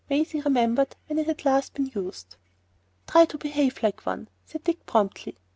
Maisie remembered when it had last been used. ""Try to behave like one,"' said Dick, promptly.